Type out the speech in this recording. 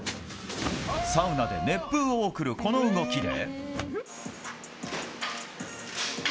サウナで熱風を送るこの動きで。